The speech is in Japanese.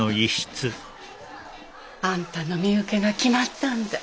あんたの身請けが決まったんだ。